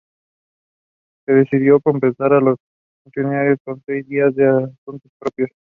Se decidió compensar a los funcionarios con seis días de asuntos propios.